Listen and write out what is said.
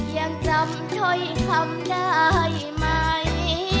ยังจำถ้อยคำได้ไหม